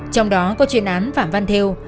trong đó có chuyện án phạm văn thêu